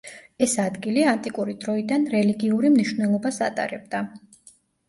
ეს ადგილი ანტიკური დროიდან რელიგიური მნიშვნელობას ატარებდა.